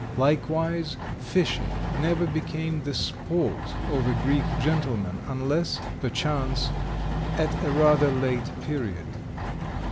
Likewise fishing never became the sport of a Greek gentleman, unless, perchance, at a rather late period.